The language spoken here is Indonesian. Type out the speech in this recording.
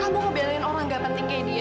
aku ngebelain orang gak penting kayak dia